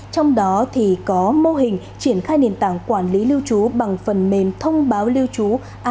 trong đó có mô hình triển khai nền tảng quản lý lưu trú bằng phần mềm thông báo lưu trú